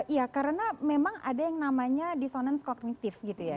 iya karena memang ada yang namanya disonance kognitif gitu ya